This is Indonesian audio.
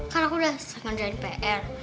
kan aku udah selengarain pr